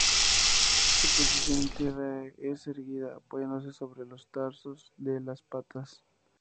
Su posición en tierra es erguida, apoyándose sobre los tarsos de las patas.